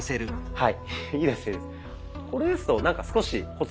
はい。